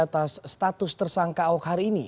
atas status tersangka ahok hari ini